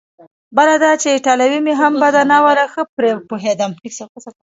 بله دا چې ایټالوي مې هم بده نه وه، ښه پرې پوهېدم.